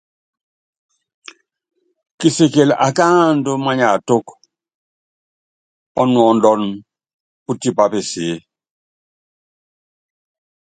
Kisikili akáandú manyátúkú kéelúku, pútipá peseé.